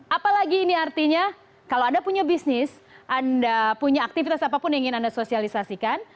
apalagi ini artinya kalau anda punya bisnis anda punya aktivitas apapun yang ingin anda sosialisasikan